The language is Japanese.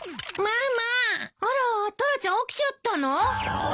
あらタラちゃん起きちゃったの？